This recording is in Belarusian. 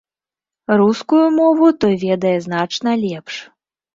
Рускую мову той ведае значна лепш.